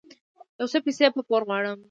يو څه پيسې په پور غواړم